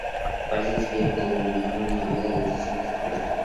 Aparece en Scream, como la mejor amiga de Sidney Prescott.